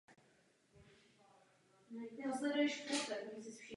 Původní plány ohledně usídlení Židů v Argentině byly ambiciózní.